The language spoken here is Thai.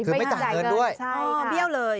คือไม่จ่ายเงินด้วยใช่เขาเบี้ยวเลย